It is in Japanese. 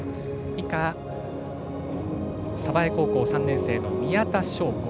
以下、鯖江高校３年生の宮田笙子。